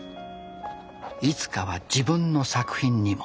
いつかは自分の作品にも。